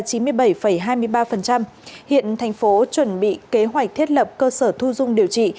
hiện tp hcm chuẩn bị kế hoạch thiết lập cơ sở thu dung điều trị